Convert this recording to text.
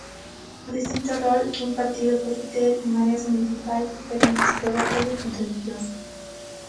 O distinto rol que un partido pode ter en mareas municipais diferentes provócalle contradicións.